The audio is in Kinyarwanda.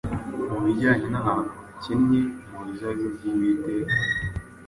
mu bijyanye n’ahantu hakennye mu ruzabibu rw’Uwiteka,